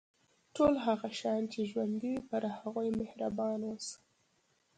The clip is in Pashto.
ټول هغه شیان چې ژوندي وي پر هغوی مهربان اوسه.